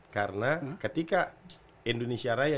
karena ketika indonesia raya